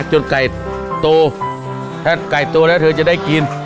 ไก่โตถ้าไก่โตแล้วเธอจะได้กิน